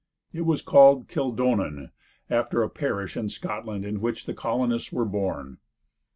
It was called "Kildonan," after a parish in Scotland in which the colonists were born.